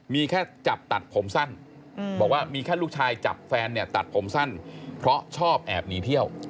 มีแค่จับตัดผมสั้นบอกว่ามีแค่ลูกชายจับแฟนเนี่ยตัดผมสั้นเพราะชอบแอบหนีเที่ยว